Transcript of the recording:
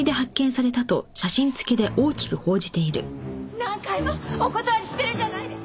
何回もお断りしてるじゃないですか！